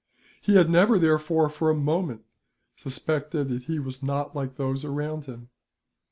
He had never, therefore, for a moment suspected that he was not like those around him.